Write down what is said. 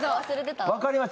わかります。